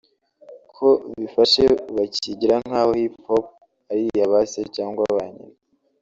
ko ``bifashe bakigira nk’aho Hip Hop ari iya ba se cyangwa ba nyina’’